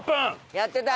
やってた！